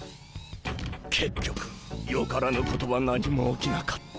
結局よからぬことは何も起きなかった。